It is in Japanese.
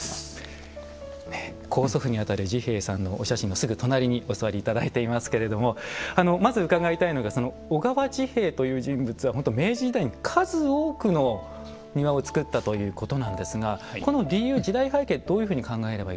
高祖父にあたる治兵衛さんのお写真のすぐ隣にお座り頂いていますけれどもまず伺いたいのが小川治兵衛という人物は明治時代に数多くの庭をつくったということなんですがこの理由時代背景どういうふうに考えればいいでしょうか。